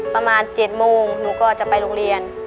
ประมาณ๗โมงหนูก็จะไปโรงเรียน